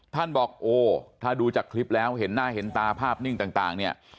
ท่านบอกโอ้ถ้าดูจากคลิปแล้วเห็นหน้าเห็นตาภาพนิ่งต่างเนี่ย